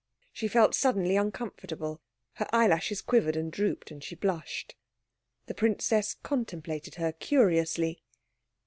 She felt suddenly uncomfortable; her eyelashes quivered and drooped, and she blushed. The princess contemplated her curiously.